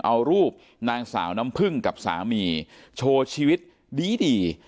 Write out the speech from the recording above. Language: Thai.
เอารูปนางสาวน้ำพึ่งกับสามีโชว์ชีวิตดี